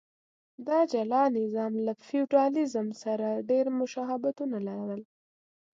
دا جلا نظام له فیوډالېزم سره ډېر مشابهتونه لرل.